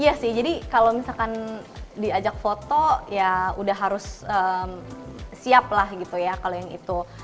iya sih jadi kalau misalkan diajak foto ya udah harus siap lah gitu ya kalau yang itu